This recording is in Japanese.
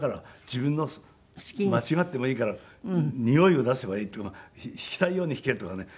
自分の間違ってもいいからにおいを出せばいいっていうかまあ弾きたいように弾けとかね。